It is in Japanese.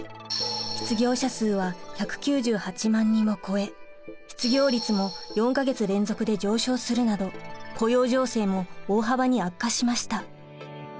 失業者数は１９８万人を超え失業率も４か月連続で上昇するなど雇用情勢も大幅に悪化しました。